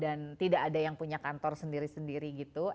dan tidak ada yang punya kantor sendiri sendiri gitu